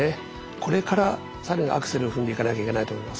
これから更にアクセルを踏んでいかなきゃいけないと思います。